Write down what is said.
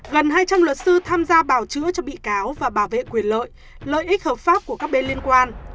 gần hai trăm linh luật sư tham gia bảo chữa cho bị cáo và bảo vệ quyền lợi lợi ích hợp pháp của các bên liên quan